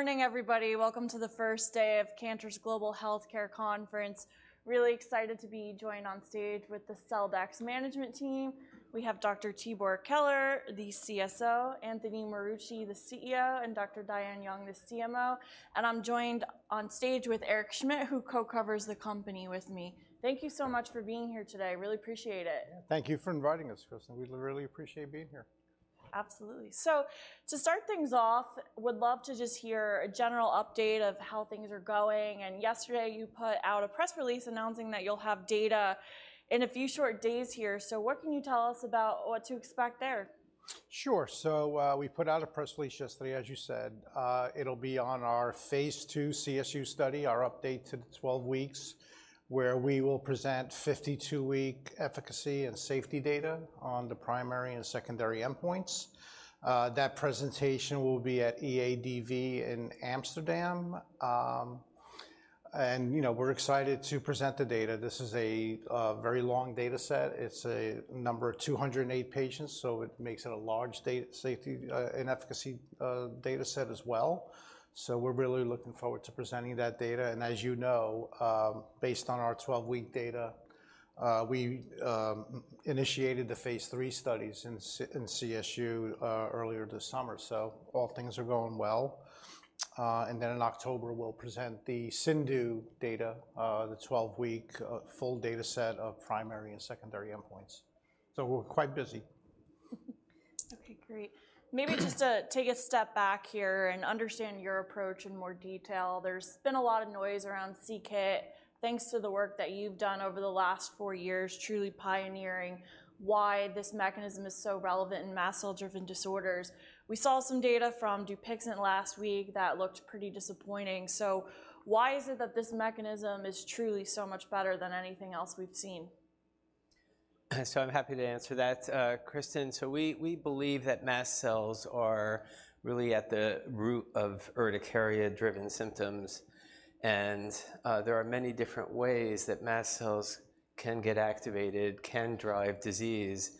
Good morning, everybody. Welcome to the first day of Cantor's Global Healthcare Conference. Really excited to be joined on stage with the Celldex management team. We have Dr. Tibor Keler, the CSO, Anthony Marucci, the CEO, and Dr. Diane Young, the CMO. And I'm joined on stage with Eric Schmidt, who co-covers the company with me. Thank you so much for being here today. Really appreciate it. Thank you for inviting us, Kristen. We really appreciate being here. Absolutely. So to start things off, would love to just hear a general update of how things are going, and yesterday, you put out a press release announcing that you'll have data in a few short days here. So what can you tell us about what to expect there? Sure. So, we put out a press release yesterday, as you said. It'll be on our Phase II CSU study, our update to the 12 weeks, where we will present 52-week efficacy and safety data on the primary and secondary endpoints. That presentation will be at EADV in Amsterdam. And, you know, we're excited to present the data. This is a very long dataset. It's a number of 208 patients, so it makes it a large data, safety and efficacy dataset as well. So we're really looking forward to presenting that data, and as you know, based on our 12-week data, we initiated the Phase III studies in CSU earlier this summer. So all things are going well. And then in October, we'll present the CIndU data, the twelve-week full dataset of primary and secondary endpoints. So we're quite busy. Okay, great. Maybe just to take a step back here and understand your approach in more detail. There's been a lot of noise around c-KIT, thanks to the work that you've done over the last four years, truly pioneering why this mechanism is so relevant in mast cell-driven disorders. We saw some data from Dupixent last week that looked pretty disappointing. So why is it that this mechanism is truly so much better than anything else we've seen? I'm happy to answer that, Kristen. We believe that mast cells are really at the root of urticaria-driven symptoms, and there are many different ways that mast cells can get activated, can drive disease.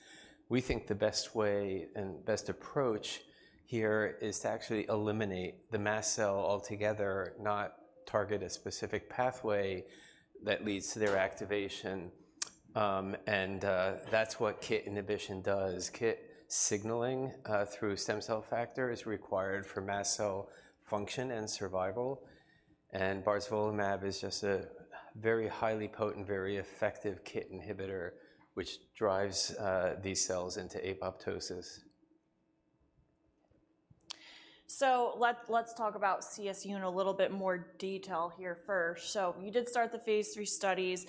We think the best way and best approach here is to actually eliminate the mast cell altogether, not target a specific pathway that leads to their activation, and that's what KIT inhibition does. KIT signaling through stem cell factor is required for mast cell function and survival, and barzolvolimab is just a very highly potent, very effective KIT inhibitor, which drives these cells into apoptosis. So, let's talk about CSU in a little bit more detail here first. So you did start the Phase III studies.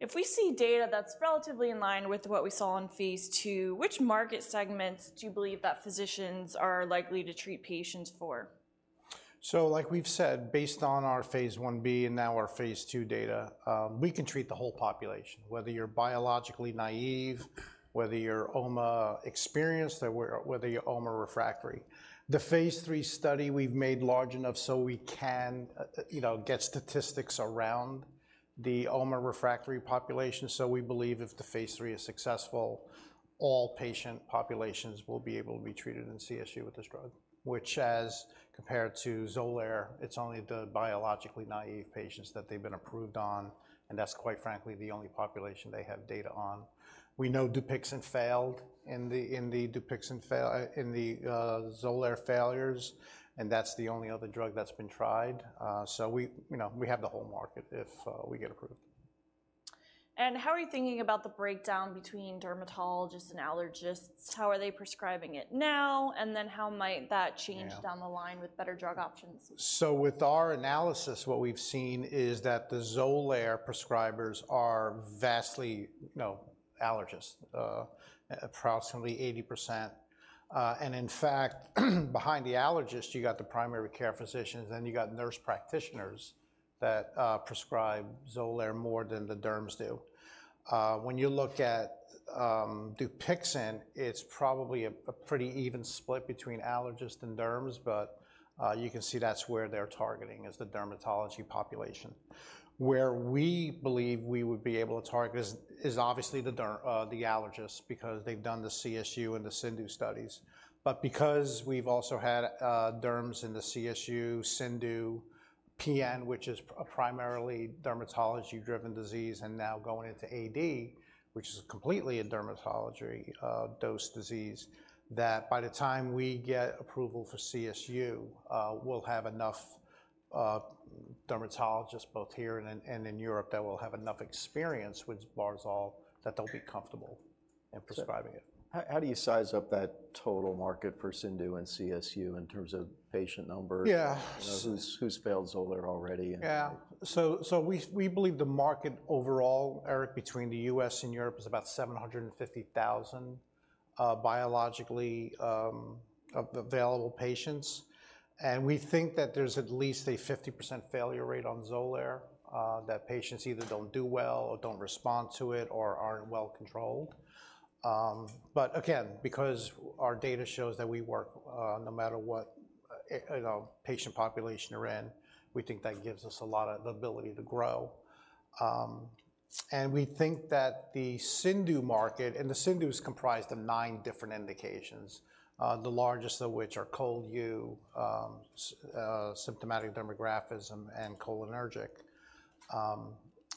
If we see data that's relatively in line with what we saw in Phase II, which market segments do you believe that physicians are likely to treat patients for? Like we've said, based on our Phase 1a and now our Phase 2 data, we can treat the whole population, whether you're biologically naive, whether you're OMA experienced, or whether you're OMA refractory. The Phase 3 study we've made large enough so we can, you know, get statistics around the OMA refractory population. So we believe if the Phase 3 is successful, all patient populations will be able to be treated in CSU with this drug, which as compared to Xolair, it's only the biologically naive patients that they've been approved on, and that's quite frankly, the only population they have data on. We know Dupixent failed in the Xolair failures, and that's the only other drug that's been tried. So we, you know, we have the whole market if we get approved. How are you thinking about the breakdown between dermatologists and allergists? How are they prescribing it now, and then how might that change? Yeah... down the line with better drug options? So with our analysis, what we've seen is that the Xolair prescribers are vastly, you know, allergists, approximately 80%. And in fact, behind the allergists, you got the primary care physicians, then you got nurse practitioners that prescribe Xolair more than the derms do. When you look at Dupixent, it's probably a, a pretty even split between allergists and derms, but you can see that's where they're targeting, is the dermatology population. Where we believe we would be able to target is, is obviously the derm... the allergists, because they've done the CSU and the CIndU studies. But because we've also had derms in the CSU, CIndU, PN, which is primarily a dermatology-driven disease, and now going into AD, which is completely a dermatology-focused disease, that by the time we get approval for CSU, we'll have enough dermatologists, both here and in Europe, that will have enough experience with Barzol, that they'll be comfortable in prescribing it. How do you size up that total market for CIndU and CSU in terms of patient numbers? Yeah. Who's failed Xolair already, and- Yeah. We believe the market overall, Eric, between the US and Europe, is about 750,000 biologically naive patients. And we think that there's at least a 50% failure rate on Xolair, that patients either don't do well or don't respond to it or aren't well controlled. But again, because our data shows that we work, no matter what, you know, patient population you're in, we think that gives us a lot of the ability to grow. And we think that the CIndU market, and the CIndU is comprised of nine different indications, the largest of which are cold urticaria, symptomatic dermographism, and cholinergic urticaria.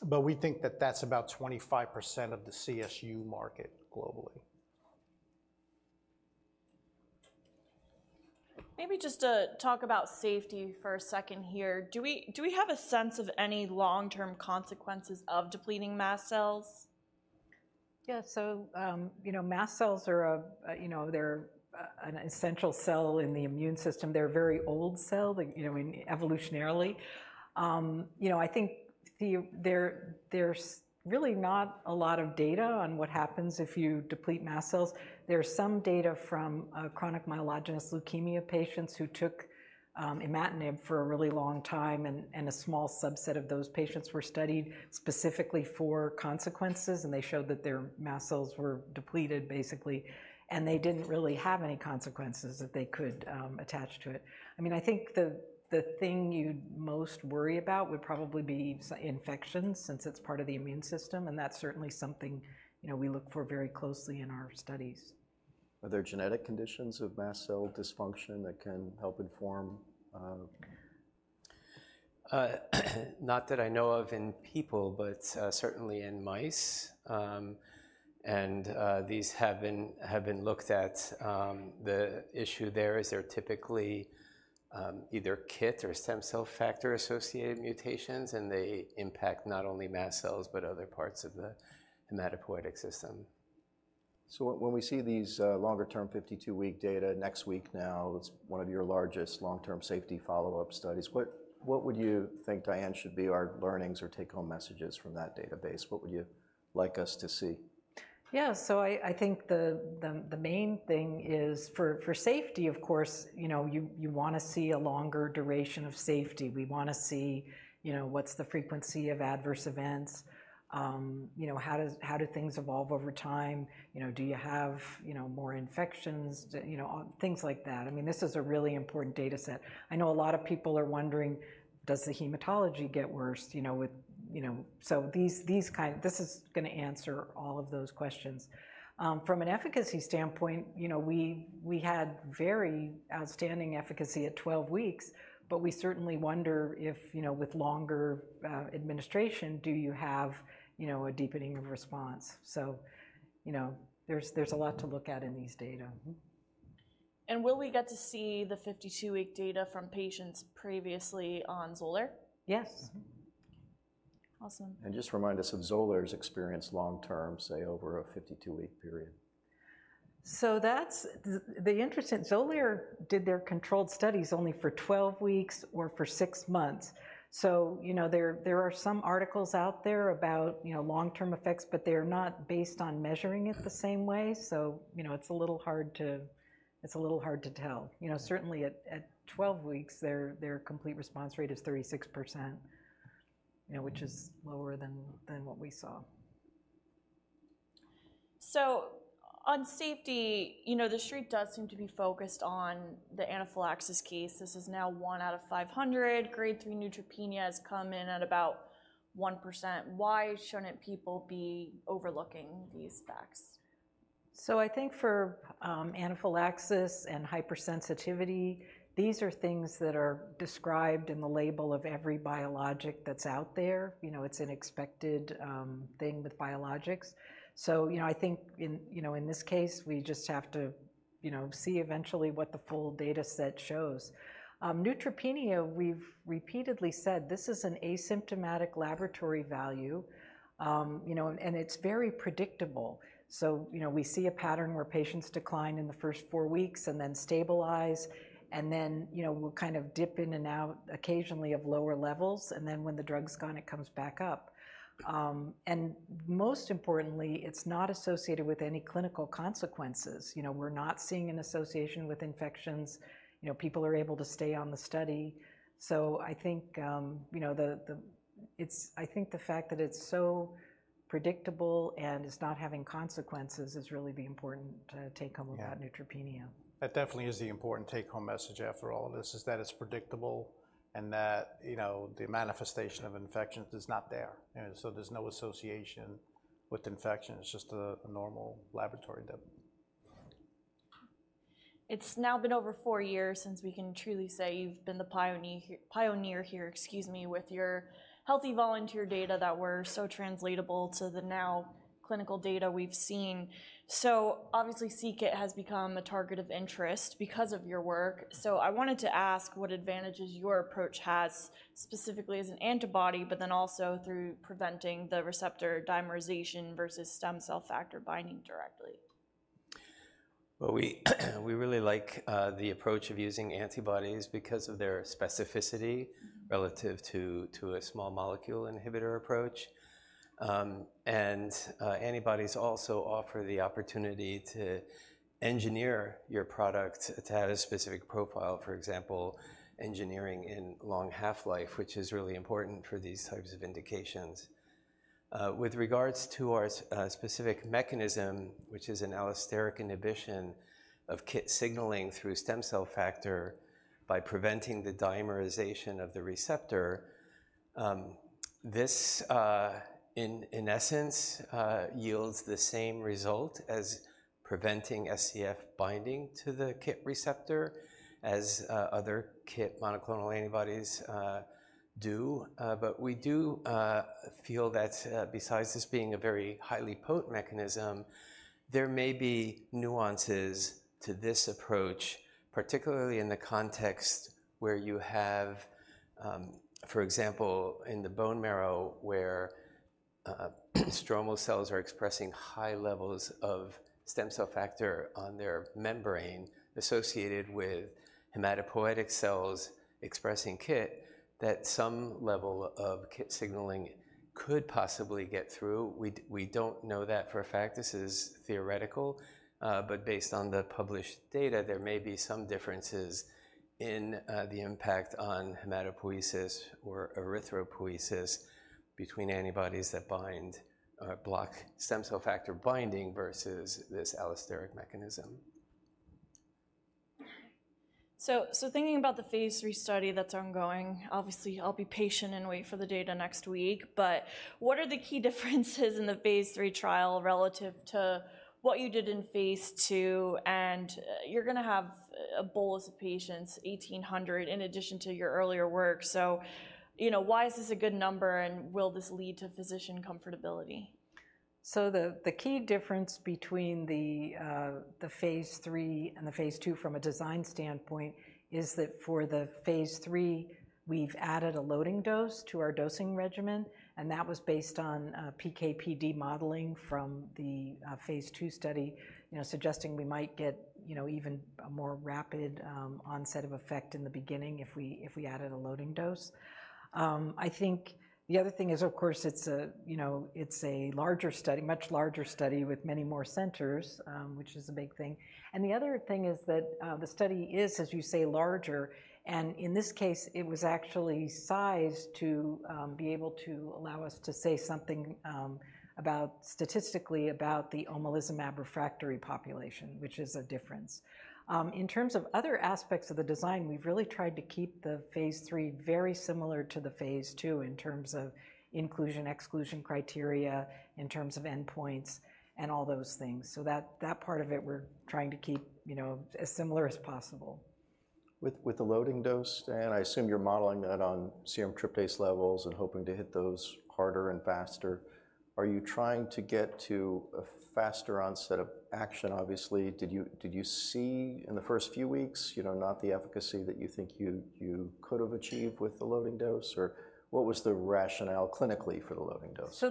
But we think that that's about 25% of the CSU market globally. Maybe just to talk about safety for a second here. Do we, do we have a sense of any long-term consequences of depleting mast cells? Yeah. So, you know, mast cells are an essential cell in the immune system. They're a very old cell, like, you know, I mean, evolutionarily. You know, I think there's really not a lot of data on what happens if you deplete mast cells. There's some data from chronic myelogenous leukemia patients who took imatinib for a really long time, and a small subset of those patients were studied specifically for consequences, and they showed that their mast cells were depleted, basically, and they didn't really have any consequences that they could attach to it. I mean, I think the thing you'd most worry about would probably be infections since it's part of the immune system, and that's certainly something, you know, we look for very closely in our studies. Are there genetic conditions of mast cell dysfunction that can help inform? Not that I know of in people, but certainly in mice, and these have been looked at. The issue there is they're typically either KIT or stem cell factor-associated mutations, and they impact not only mast cells, but other parts of the hematopoietic system. So when we see these longer-term 52-week data next week now, it's one of your largest long-term safety follow-up studies. What would you think, Diane, should be our learnings or take-home messages from that database? What would you like us to see? Yeah. So I think the main thing is for safety, of course, you know, you wanna see a longer duration of safety. We wanna see, you know, what's the frequency of adverse events? You know, how do things evolve over time? You know, do you have, you know, more infections? You know, things like that. I mean, this is a really important data set. I know a lot of people are wondering, does the hematology get worse, you know, with. You know, so this is gonna answer all of those questions. From an efficacy standpoint, you know, we had very outstanding efficacy at twelve weeks, but we certainly wonder if, you know, with longer administration, do you have, you know, a deepening of response? So, you know, there's, there's a lot to look at in these data. Mm-hmm. Will we get to see the fifty-two-week data from patients previously on Xolair? Yes. Mm-hmm. Awesome. Just remind us of Xolair's experience long term, say, over a fifty-two-week period. So that's the interest in Xolair. Did their controlled studies only for 12 weeks or for six months. So, you know, there are some articles out there about, you know, long-term effects, but they're not based on measuring it the same way, so, you know, it's a little hard to tell. You know, certainly at 12 weeks, their complete response rate is 36%, you know, which is lower than what we saw. So on safety, you know, the Street does seem to be focused on the anaphylaxis case. This is now one out of 500. Grade 3 neutropenia has come in at about 1%. Why shouldn't people be overlooking these facts? I think for anaphylaxis and hypersensitivity, these are things that are described in the label of every biologic that's out there. You know, it's an expected thing with biologics. You know, I think, you know, in this case, we just have to, you know, see eventually what the full data set shows. Neutropenia, we've repeatedly said this is an asymptomatic laboratory value, you know, and it's very predictable. You know, we see a pattern where patients decline in the first four weeks and then stabilize, and then, you know, we'll kind of dip in and out occasionally of lower levels, and then when the drug's gone, it comes back up. Most importantly, it's not associated with any clinical consequences. You know, we're not seeing an association with infections. You know, people are able to stay on the study. So I think, you know, the fact that it's so predictable and it's not having consequences is really the important take-home. Yeah with that neutropenia. That definitely is the important take-home message after all of this, is that it's predictable and that, you know, the manifestation of infections is not there, and so there's no association with infection. It's just a normal laboratory dip. It's now been over four years since we can truly say you've been the pioneer here, excuse me, with your healthy volunteer data that were so translatable to the now clinical data we've seen. So obviously, c-KIT has become a target of interest because of your work. So I wanted to ask what advantages your approach has, specifically as an antibody, but then also through preventing the receptor dimerization versus stem cell factor binding directly. We really like the approach of using antibodies because of their specificity- Mm-hmm... relative to a small molecule inhibitor approach, and antibodies also offer the opportunity to engineer your product to have a specific profile, for example, engineering in long half-life, which is really important for these types of indications. With regards to our specific mechanism, which is an allosteric inhibition of kit signaling through stem cell factor by preventing the dimerization of the receptor.... This, in essence, yields the same result as preventing SCF binding to the KIT receptor as other KIT monoclonal antibodies do. But we do feel that, besides this being a very highly potent mechanism, there may be nuances to this approach, particularly in the context where you have, for example, in the bone marrow, where stromal cells are expressing high levels of stem cell factor on their membrane associated with hematopoietic cells expressing KIT, that some level of KIT signaling could possibly get through. We don't know that for a fact. This is theoretical, but based on the published data, there may be some differences in the impact on hematopoiesis or erythropoiesis between antibodies that bind block stem cell factor binding versus this allosteric mechanism. So, thinking about the Phase III study that's ongoing, obviously I'll be patient and wait for the data next week, but what are the key differences in the Phase III trial relative to what you did in Phase II? And you're gonna have a bolus of patients, eighteen hundred, in addition to your earlier work. You know, why is this a good number, and will this lead to physician comfortability? So the key difference between the Phase III and the Phase II from a design standpoint is that for the Phase III, we've added a loading dose to our dosing regimen, and that was based on PK/PD modeling from the Phase II study. You know, suggesting we might get, you know, even a more rapid onset of effect in the beginning if we added a loading dose. I think the other thing is, of course, it's a you know, it's a larger study, much larger study with many more centers, which is a big thing. And the other thing is that the study is, as you say, larger, and in this case, it was actually sized to be able to allow us to say something statistically about the omalizumab refractory population, which is a difference. In terms of other aspects of the design, we've really tried to keep the Phase III very similar to the Phase II in terms of inclusion, exclusion criteria, in terms of endpoints and all those things. So that part of it we're trying to keep, you know, as similar as possible. With the loading dose, and I assume you're modeling that on serum tryptase levels and hoping to hit those harder and faster, are you trying to get to a faster onset of action, obviously? Did you see in the first few weeks, you know, not the efficacy that you think you could have achieved with the loading dose? Or what was the rationale clinically for the loading dose?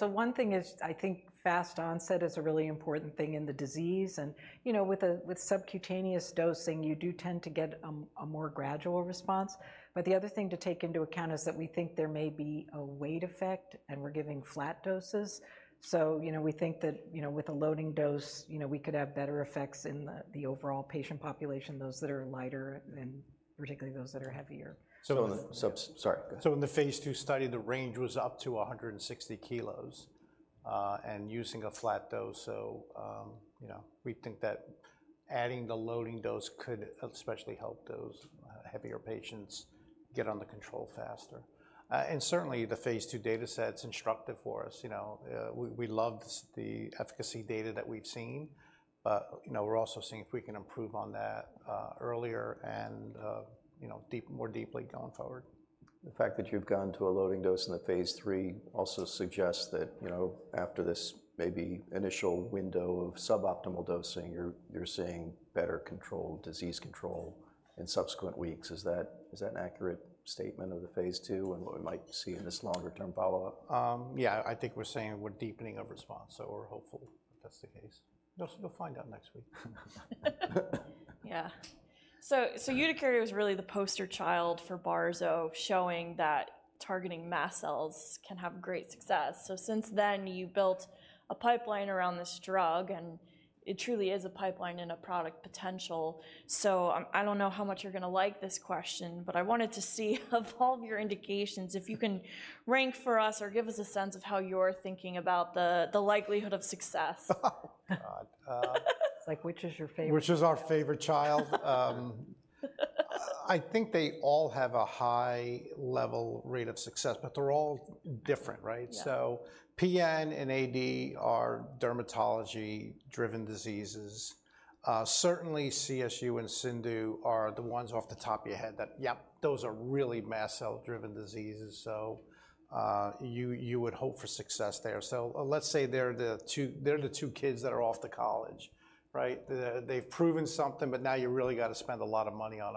One thing is, I think fast onset is a really important thing in the disease, and you know, with subcutaneous dosing, you do tend to get a more gradual response. But the other thing to take into account is that we think there may be a weight effect, and we're giving flat doses. You know, we think that you know, with a loading dose, you know, we could have better effects in the overall patient population, those that are lighter and particularly those that are heavier. So the- So- Sorry, go ahead. So in the Phase II study, the range was up to one hundred and sixty kilos, and using a flat dose. So, you know, we think that adding the loading dose could especially help those heavier patients get under control faster. And certainly, the Phase II data set's instructive for us. You know, we loved the efficacy data that we've seen, but, you know, we're also seeing if we can improve on that, earlier and, you know, more deeply going forward. The fact that you've gone to a loading dose in the Phase III also suggests that, you know, after this maybe initial window of suboptimal dosing, you're, you're seeing better control, disease control in subsequent weeks. Is that, is that an accurate statement of the Phase II and what we might see in this longer-term follow-up? Yeah, I think we're saying we're deepening of response, so we're hopeful that's the case. Also, we'll find out next week. Yeah. So, so urticaria was really the poster child for barzolvolimab, showing that targeting mast cells can have great success. So since then, you've built a pipeline around this drug, and it truly is a pipeline and a product potential. So, I don't know how much you're gonna like this question, but I wanted to see of all of your indications, if you can rank for us or give us a sense of how you're thinking about the, the likelihood of success. Oh, God. It's like, which is your favorite- Which is our favorite child? I think they all have a high level rate of success, but they're all different, right? Yeah. So PN and AD are dermatology-driven diseases. Certainly, CSU and CIndU are the ones off the top of your head that, yep, those are really mast cell-driven diseases, so you would hope for success there. So let's say they're the two kids that are off to college, right? They've proven something, but now you really gotta spend a lot of money on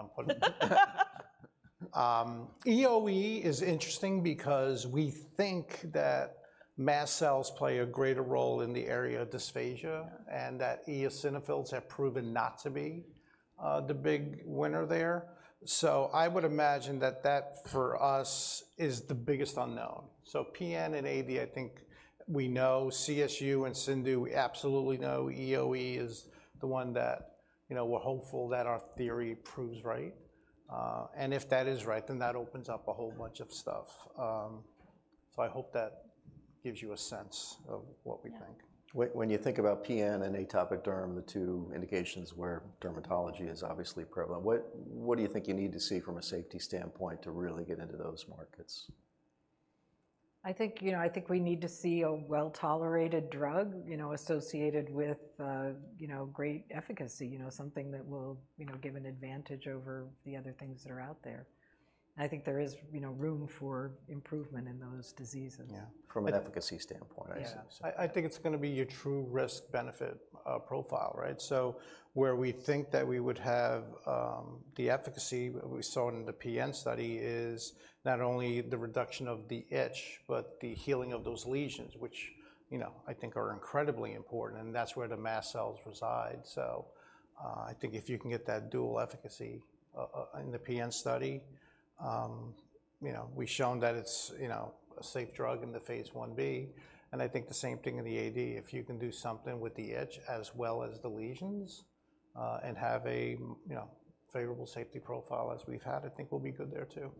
them. EoE is interesting because we think that mast cells play a greater role in the area of dysphagia- Yeah... and that eosinophils have proven not to be, the big winner there. So I would imagine that that, for us, is the biggest unknown. So PN and AD, I think we know. CSU and CIndU, we absolutely know. EoE is the one that, you know, we're hopeful that our theory proves right. And if that is right, then that opens up a whole bunch of stuff. So I hope that-... gives you a sense of what we think. Yeah. When you think about PN and atopic derm, the two indications where dermatology is obviously prevalent, what do you think you need to see from a safety standpoint to really get into those markets? I think, you know, I think we need to see a well-tolerated drug, you know, associated with, you know, great efficacy. You know, something that will, you know, give an advantage over the other things that are out there, and I think there is, you know, room for improvement in those diseases. Yeah, from an efficacy standpoint, I see. Yeah. I think it's gonna be your true risk-benefit profile, right? So where we think that we would have the efficacy we saw in the PN study is not only the reduction of the itch but the healing of those lesions, which, you know, I think are incredibly important, and that's where the mast cells reside. So, I think if you can get that dual efficacy in the PN study, you know, we've shown that it's, you know, a safe drug in the Phase 1b, and I think the same thing in the AD. If you can do something with the itch as well as the lesions, and have a, you know, favorable safety profile as we've had, I think we'll be good there, too.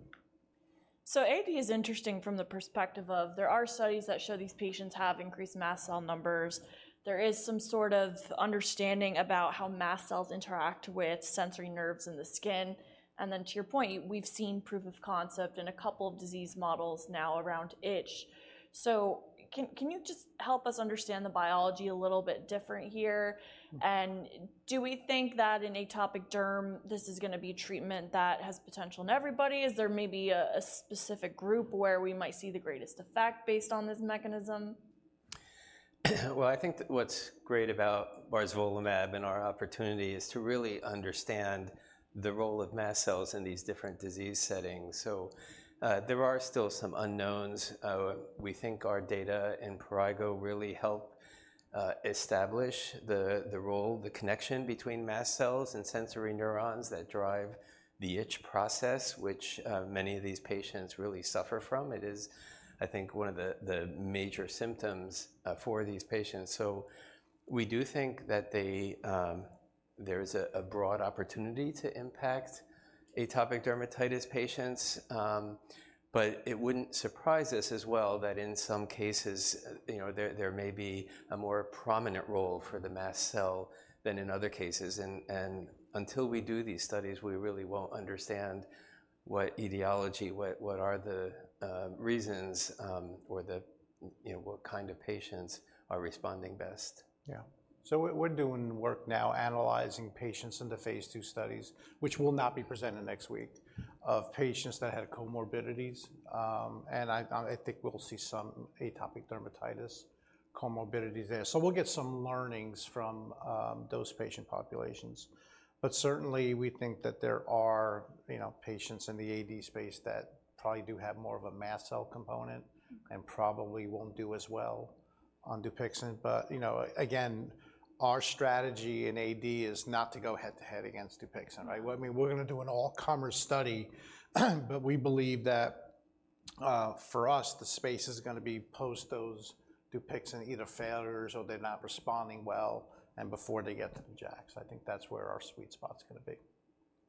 So AD is interesting from the perspective of there are studies that show these patients have increased mast cell numbers. There is some sort of understanding about how mast cells interact with sensory nerves in the skin, and then to your point, we've seen proof of concept in a couple of disease models now around itch. So can you just help us understand the biology a little bit different here? And do we think that in atopic derm, this is gonna be treatment that has potential in everybody? Is there maybe a specific group where we might see the greatest effect based on this mechanism? I think what's great about barzolumab and our opportunity is to really understand the role of mast cells in these different disease settings. There are still some unknowns. We think our data in prurigo really help establish the role, the connection between mast cells and sensory neurons that drive the itch process, which many of these patients really suffer from. It is, I think, one of the major symptoms for these patients. We do think that they. There's a broad opportunity to impact atopic dermatitis patients. But it wouldn't surprise us as well that in some cases, you know, there may be a more prominent role for the mast cell than in other cases. And until we do these studies, we really won't understand what ideology, what are the reasons, or the, you know, what kind of patients are responding best. Yeah. So we're doing work now analyzing patients in the Phase 2 studies, which will not be presented next week, of patients that had comorbidities. And I think we'll see some atopic dermatitis comorbidities there. So we'll get some learnings from those patient populations. But certainly, we think that there are, you know, patients in the AD space that probably do have more of a mast cell component. Mm. and probably won't do as well on Dupixent. But, you know, again, our strategy in AD is not to go head-to-head against Dupixent, right? Well, I mean, we're gonna do an all-comer study, but we believe that, for us, the space is gonna be post those Dupixent either failures or they're not responding well and before they get to the JAKs. I think that's where our sweet spot's gonna be.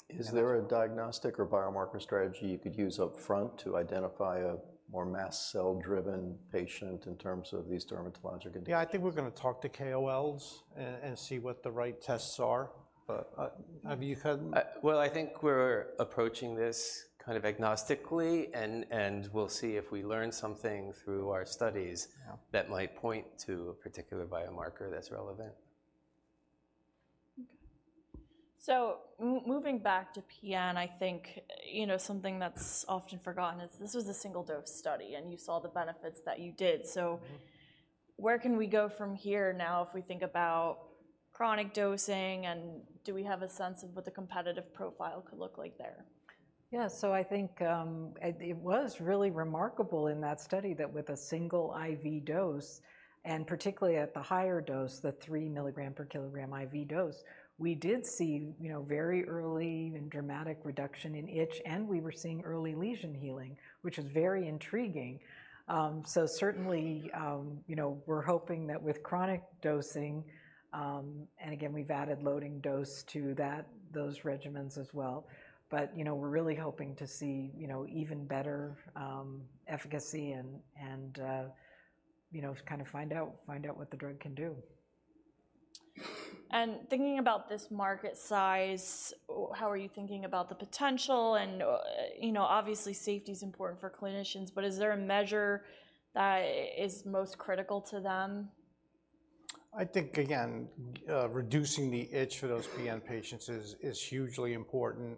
Is there a diagnostic or biomarker strategy you could use upfront to identify a more mast cell-driven patient in terms of these dermatologic conditions? Yeah, I think we're gonna talk to KOLs and see what the right tests are. But, have you had- Well, I think we're approaching this kind of agnostically, and we'll see if we learn something through our studies- Yeah... that might point to a particular biomarker that's relevant. Okay, so moving back to PN, I think, you know, something that's often forgotten is this was a single-dose study, and you saw the benefits that you did. Mm-hmm. So where can we go from here now if we think about chronic dosing, and do we have a sense of what the competitive profile could look like there? Yeah, so I think, it was really remarkable in that study that with a single IV dose, and particularly at the higher dose, the three milligrams per kilogram IV dose, we did see, you know, very early and dramatic reduction in itch, and we were seeing early lesion healing, which is very intriguing. So certainly, you know, we're hoping that with chronic dosing... And again, we've added loading dose to that, those regimens as well. But, you know, we're really hoping to see, you know, even better, efficacy and, you know, kind of find out what the drug can do. Thinking about this market size, how are you thinking about the potential? You know, obviously, safety's important for clinicians, but is there a measure that is most critical to them? I think, again, reducing the itch for those PN patients is hugely important,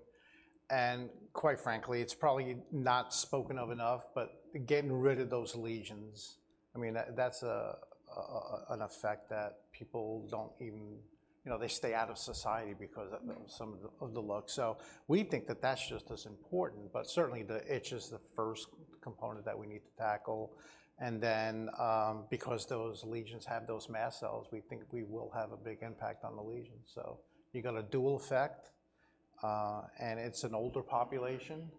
and quite frankly, it's probably not spoken of enough, but getting rid of those lesions, I mean, that's an effect that people don't even... You know, they stay out of society because of- Mm... some of the, of the look. So we think that that's just as important, but certainly, the itch is the first component that we need to tackle. And then, because those lesions have those mast cells, we think we will have a big impact on the lesions. So you get a dual effect, and it's an older population.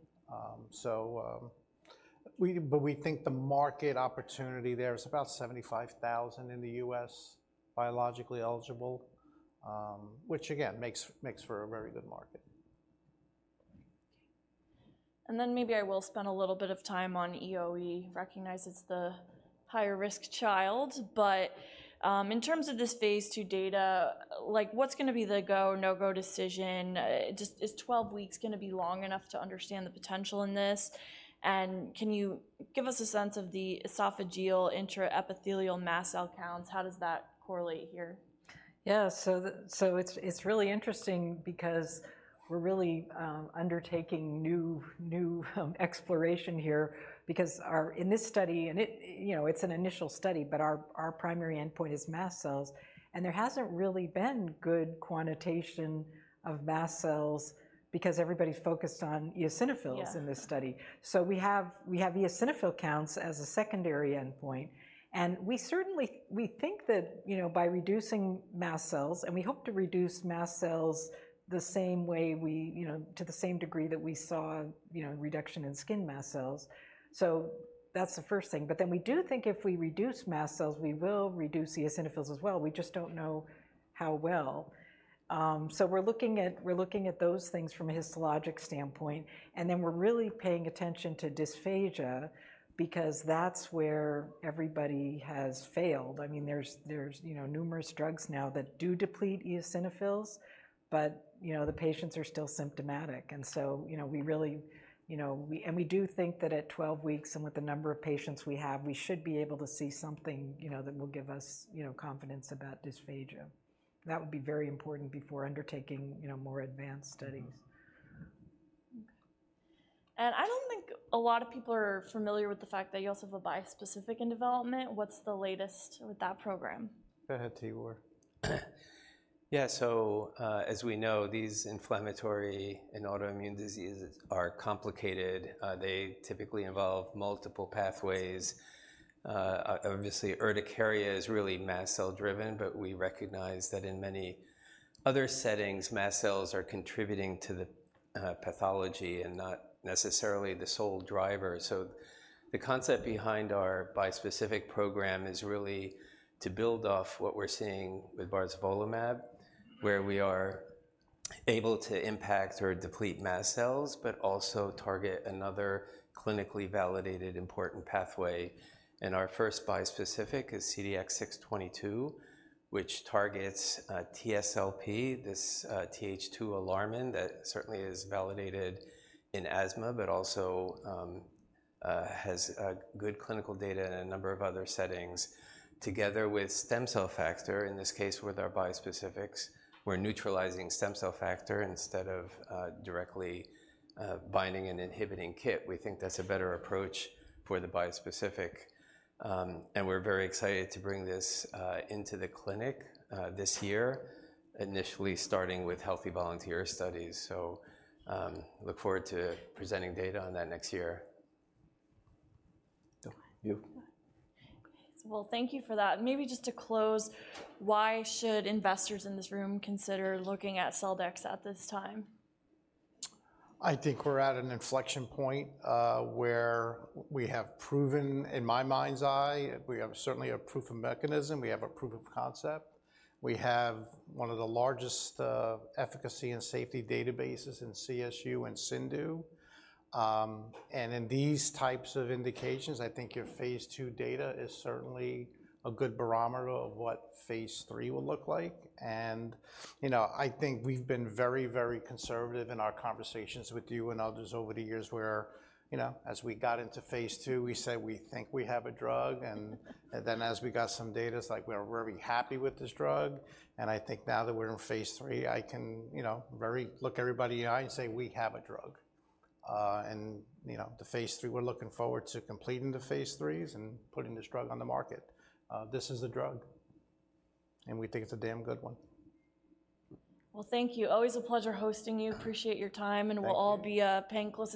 But we think the market opportunity there is about 75,000 in the US, biologically eligible, which again, makes for a very good market. ...And then maybe I will spend a little bit of time on EoE, recognize it's the higher-risk child. But in terms of this Phase II data, like, what's gonna be the go, no-go decision? Just, is 12 weeks gonna be long enough to understand the potential in this? And can you give us a sense of the esophageal intraepithelial mast cell counts? How does that correlate here? Yeah. So it's really interesting because we're really undertaking new exploration here because our in this study, and it, you know, it's an initial study, but our primary endpoint is mast cells, and there hasn't really been good quantitation of mast cells because everybody's focused on eosinophils- Yeah In this study. So we have eosinophil counts as a secondary endpoint, and we certainly, we think that, you know, by reducing mast cells, and we hope to reduce mast cells the same way we, you know, to the same degree that we saw, you know, a reduction in skin mast cells. So that's the first thing. But then we do think if we reduce mast cells, we will reduce eosinophils as well. We just don't know how well. So we're looking at those things from a histologic standpoint, and then we're really paying attention to dysphagia because that's where everybody has failed. I mean, there's, you know, numerous drugs now that do deplete eosinophils, but, you know, the patients are still symptomatic. And so, you know, we really, you know, we... We do think that at twelve weeks and with the number of patients we have, we should be able to see something, you know, that will give us, you know, confidence about dysphagia. That would be very important before undertaking, you know, more advanced studies. Okay. And I don't think a lot of people are familiar with the fact that you also have a bispecific in development. What's the latest with that program? Go ahead, Tibor. Yeah, so, as we know, these inflammatory and autoimmune diseases are complicated. They typically involve multiple pathways. Obviously, urticaria is really mast cell driven, but we recognize that in many other settings, mast cells are contributing to the, pathology and not necessarily the sole driver. So the concept behind our bispecific program is really to build off what we're seeing with barzolvolimab, where we are able to impact or deplete mast cells, but also target another clinically validated important pathway. And our first bispecific is CDX-622, which targets, TSLP, this, Th2 alarmin that certainly is validated in asthma, but also, has good clinical data in a number of other settings, together with stem cell factor, in this case, with our bispecifics. We're neutralizing stem cell factor instead of, directly, binding and inhibiting KIT. We think that's a better approach for the bispecific. And we're very excited to bring this into the clinic this year, initially starting with healthy volunteer studies. So, look forward to presenting data on that next year. So you. Thank you for that. And maybe just to close, why should investors in this room consider looking at Celldex at this time? I think we're at an inflection point, where we have proven, in my mind's eye, we have certainly a proof of mechanism. We have a proof of concept. We have one of the largest, efficacy and safety databases in CSU and CIndU. And in these types of indications, I think your Phase II data is certainly a good barometer of what Phase III will look like. You know, I think we've been very, very conservative in our conversations with you and others over the years, where, you know, as we got into Phase II, we said, "We think we have a drug." And then as we got some data, it's like, "We're very happy with this drug." And I think now that we're in Phase III, I can, you know, very look everybody in the eye and say, "We have a drug." And, you know, the Phase III, we're looking forward to completing the Phase IIIs and putting this drug on the market. This is the drug, and we think it's a damn good one. Thank you. Always a pleasure hosting you. Appreciate your time. Thank you. And we'll all be paying close attention.